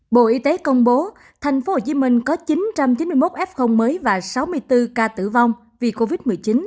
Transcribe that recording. bộ y tế công bố thành phố hồ chí minh có chín trăm chín mươi một ép không mới và sáu mươi bốn ca tử vong vì covid một mươi chín